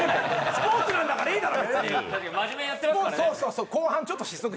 スポーツなんだから、いいだろ。